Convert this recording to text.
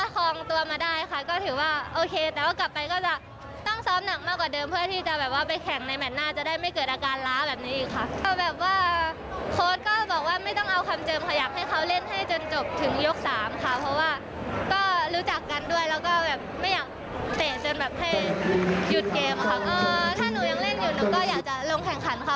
หยุดเกมค่ะก็ถ้าหนูยังเล่นอยู่หนูก็อยากจะลงแข่งขันค่ะ